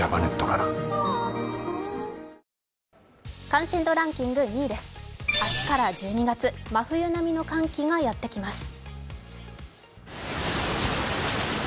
関心度ランキング２位です明日から１２月、真冬並みの寒気がやってきます。